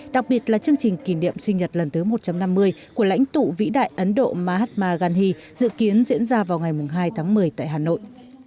đặc biệt là chương trình kỷ niệm sinh nhật lần thứ một trăm năm mươi của lãnh tụ vĩ đại ấn độ mahatma gandhi dự kiến diễn ra vào ngày hai tháng một mươi tại hà nội